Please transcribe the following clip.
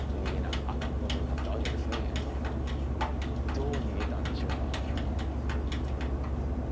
どう逃げたんでしょうか？